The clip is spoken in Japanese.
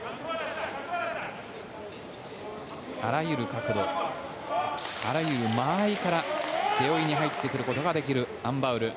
あらゆる角度あらゆる間合いから背負いに入ってくることができるアン・バウル。